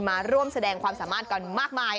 มาร่วมแสดงความสามารถกันมากมาย